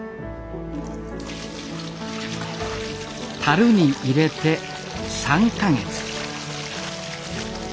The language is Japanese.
たるに入れて３か月。